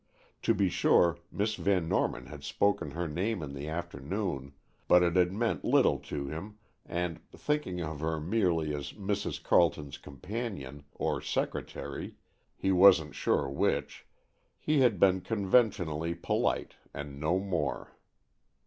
To be sure, Miss Van Norman had spoken her name in the afternoon, but it had meant little to him, and, thinking of her merely as Mrs. Carleton's companion, or secretary, he wasn't sure which, he had been conventionally polite and no more.